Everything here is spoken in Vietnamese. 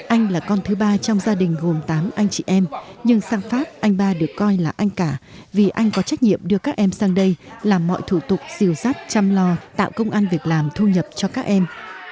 anh là con thứ ba trong gia đình gồm tám anh chị em nhưng sang pháp anh ba được coi là anh cả vì anh có trách nhiệm đưa các em sang đây làm mọi thủ tục diều dắt chăm lo tạo công an việc làm thu nhập cho các em